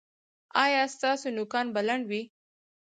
ایا ستاسو نوکان به لنډ وي؟